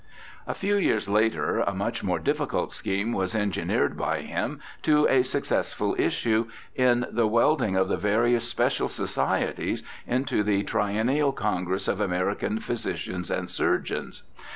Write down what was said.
A few years later a much more difficult scheme was engineered by him to a successful issue, in the welding of the various special societies into the Triennial Con gress of American Physicians and Surgeons.